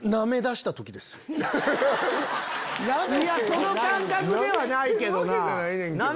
その感覚ではないけどな。